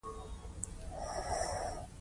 د مالکیت حقونو څخه یې په کلکه دفاع کوله.